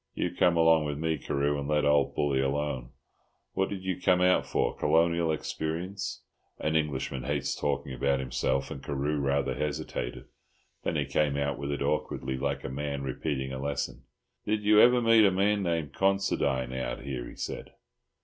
You come along with me, Carew, and let old Bully alone. What did you come out for? Colonial experience?" An Englishman hates talking about himself, and Carew rather hesitated. Then he came out with it awkwardly, like a man repeating a lesson. "Did you ever meet a man named Considine out here?" he said.